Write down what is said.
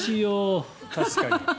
確かに。